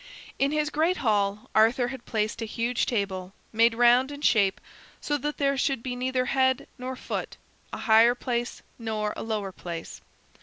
In his great hall Arthur had placed a huge table, made round in shape so that there should be neither head nor foot, a higher place nor a lower place.